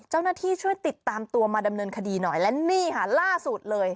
เจ้าหน้าที่ช่วยติดตามตัวมาดำเนินคดีหน่อยและนี่ค่ะล่าสุดเลย